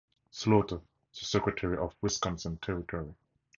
Slaughter, the secretary of Wisconsin Territory.